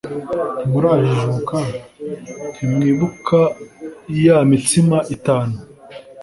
ntimurajijuka ntimwibuka ya mitsima itanu